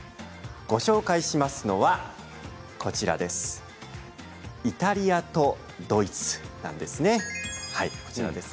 ご紹介しますのはイタリアとドイツなんですね。